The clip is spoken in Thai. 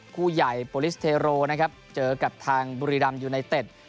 คู่ใหญ่โปรลิสเทโรนะครับเจอกับทางบุรีรัมยูไนเต็ด